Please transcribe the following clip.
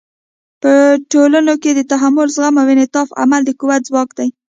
په ټولنو کې د تحمل، زغم او انعطاف عمل د قوت ځواک دی.